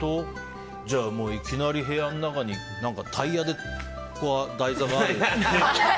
じゃあ、いきなり部屋の中にタイヤで台座があるような。